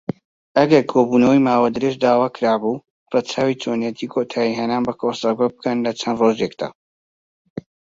ئەگەر کۆبوونەوەی ماوە درێژ داواکرابوو، ڕەچاوی چۆنێتی کۆتایهێنان بە کۆرسەکە بکەن لەچەند ڕۆژێکدا.